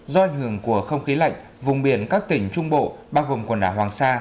do ảnh hưởng của không khí lạnh vùng biển các tỉnh trung bộ bao gồm quần đảo hoàng sa